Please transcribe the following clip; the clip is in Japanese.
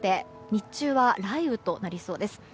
日中は雷雨となりそうです。